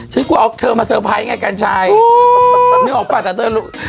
ชิคกรูเอาเธอมาเซอร์ไพรต์ไงกันชัยนึกออกปะแต่เธอลุก